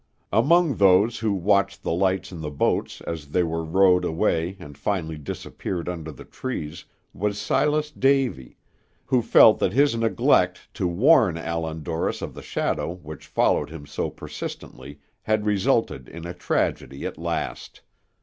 Among those who watched the lights in the boats as they were rowed away and finally disappeared under the trees, was Silas Davy, who felt that his neglect to warn Allan Dorris of the shadow which followed him so persistently had resulted in a tragedy at last.